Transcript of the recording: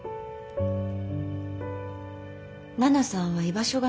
奈々さんは居場所がないの。